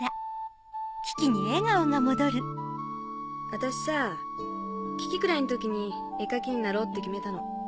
私さキキくらいの時に絵描きになろうって決めたの。